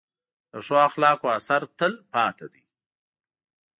د ښو اخلاقو اثر تل پاتې دی.